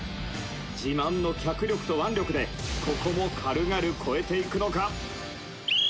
自慢の脚力と腕力でここも軽々越えていくのか？